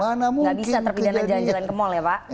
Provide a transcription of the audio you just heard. gak bisa terpidana jalan jalan ke mall ya pak